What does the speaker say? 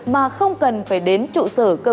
mà không cần phải đến trụ sở